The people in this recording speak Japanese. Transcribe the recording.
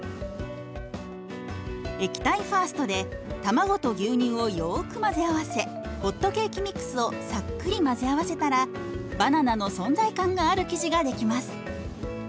「液体ファースト」で卵と牛乳をよく混ぜ合わせホットケーキミックスをさっくり混ぜ合わせたらバナナの存在感がある生地が出来ます。